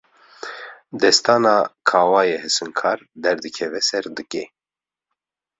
Destana Kawayê Hesinkar, derdikeve ser dikê